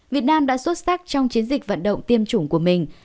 việt nam đã xuất sắc trong chiến dịch vận động tiêm chủng của mình